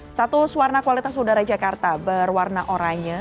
status warna kualitas udara jakarta berwarna oranye